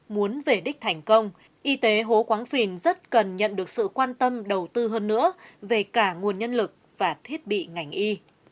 muốn về đích thành công y tế hố quán phìn rất cần nhận được sự quan tâm đầu tư hơn nữa về cả nguồn nhân lực và thiết bị ngành y